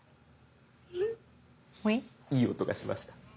いい音がしました。